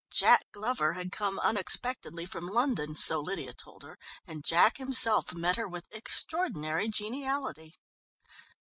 Jack Glover had come unexpectedly from London, so Lydia told her, and Jack himself met her with extraordinary geniality.